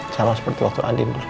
sama seperti waktu adikny exploring